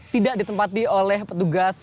tidak ditempati oleh petugas